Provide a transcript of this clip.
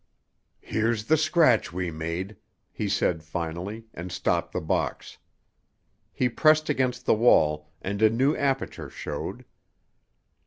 "Here's the scratch we made," he said finally, and stopped the box. He pressed against the wall, and a new aperture showed.